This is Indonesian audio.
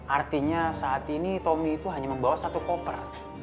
artinya saat ini tommy itu hanya membawa satu koper